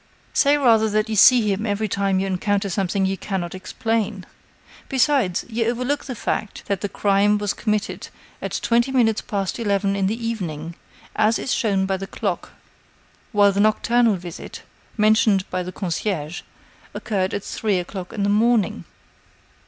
"Say rather that you see him every time you encounter something you cannot explain. Besides, you overlook the fact that the crime was committed at twenty minutes past eleven in the evening, as is shown by the clock, while the nocturnal visit, mentioned by the concierge, occurred at three o'clock in the morning."